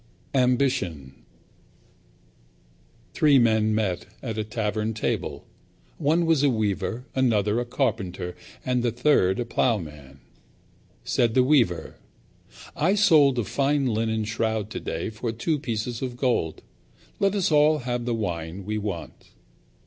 Ambition Three men met at a tavern table. One was a weaver, another a carpenter and the third a ploughman. Said the weaver, "I sold a fine linen shroud today for two pieces of gold. Let us have all the wine we want."